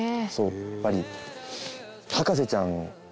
やっぱり。